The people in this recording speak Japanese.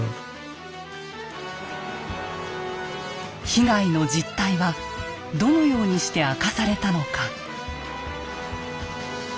被害の実態はどのようにして明かされたのか。